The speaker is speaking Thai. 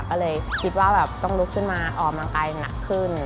ก็เลยคิดว่าแบบต้องลุกขึ้นมาออกกำลังกายหนักขึ้น